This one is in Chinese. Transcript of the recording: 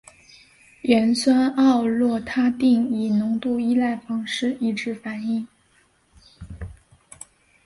盐酸奥洛他定以浓度依赖方式抑制反应。